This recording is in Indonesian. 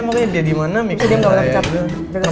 makanya dia dimana mikirin saya ya